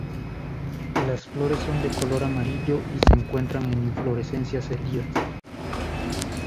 Las flores son de color amarillo y se encuentran en inflorescencias erguidas.